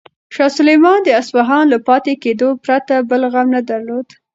شاه سلیمان د اصفهان له پاتې کېدو پرته بل غم نه درلود.